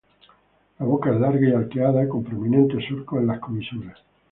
La boca es larga y arqueada, con prominentes surcos en las comisuras.